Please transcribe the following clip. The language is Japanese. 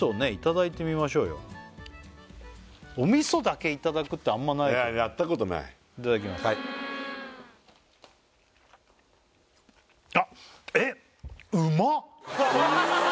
ちょっとお味噌だけいただくってあんまないやったことないいただきますあっえっ？